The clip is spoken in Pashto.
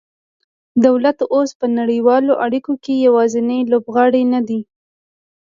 دولت اوس په نړیوالو اړیکو کې یوازینی لوبغاړی نه دی